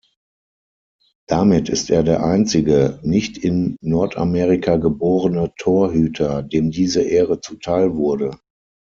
Damit ist er der einzige, nicht in Nordamerika geborene Torhüter, dem diese Ehre zuteilwurde.